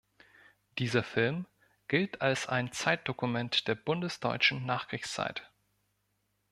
Dieser Film gilt als ein Zeitdokument der bundesdeutschen Nachkriegszeit.